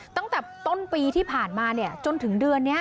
ตั้งแต่ต้นปีที่ผ่านมาเนี่ยจนถึงเดือนนี้